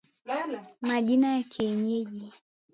Majina ya Kienyeji